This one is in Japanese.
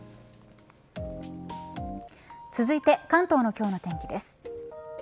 続いて関東の今日の天気です。